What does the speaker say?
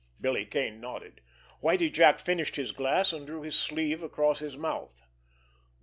Billy Kane nodded. Whitie Jack finished his glass, and drew his sleeve across his mouth.